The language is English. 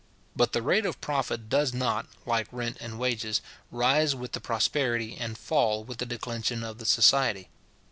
But the rate of profit does not, like rent and wages, rise with the prosperity, and fall with the declension of the society.